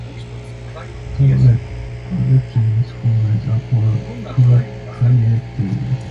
The ratings formulas are proprietary.